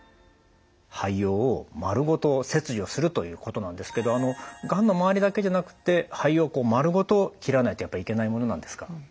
肺葉をまるごと切除するということなんですけどがんの周りだけじゃなくって肺葉をまるごと切らないとやっぱりいけないものなんですか？